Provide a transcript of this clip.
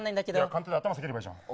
頭下げればいいじゃん。